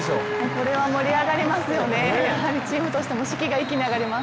これは盛り上がりますよね、やはりチームとしても士気が一気に上がります。